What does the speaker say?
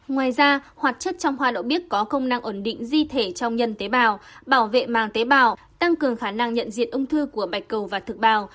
ngoài ra hoạt chất trong hoa đậu bích có công năng ổn định di thể trong nhân tế bào bảo vệ màng tế bào tăng cường khả năng nhận diện ung thư của bạch cầu và thực bào